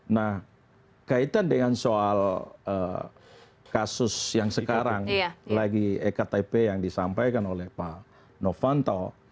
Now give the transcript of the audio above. nah kaitan dengan soal kasus yang sekarang lagi ektp yang disampaikan oleh pak novanto